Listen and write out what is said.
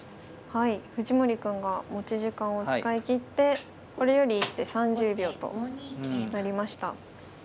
はい藤森くんが持ち時間を使い切ってこれより一手３０秒となりました。